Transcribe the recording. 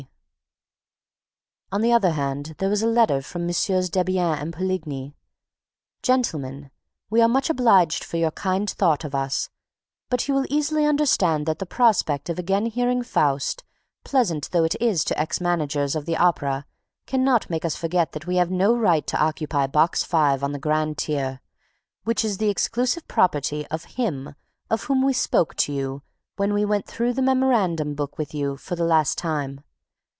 G. On the other hand, there was a letter from Mm. Debienne and Poligny: GENTLEMEN: We are much obliged for your kind thought of us, but you will easily understand that the prospect of again hearing Faust, pleasant though it is to ex managers of the Opera, can not make us forget that we have no right to occupy Box Five on the grand tier, which is the exclusive property of HIM of whom we spoke to you when we went through the memorandum book with you for the last time.